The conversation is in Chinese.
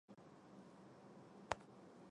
该物种的模式产地在广州海产渔业公司。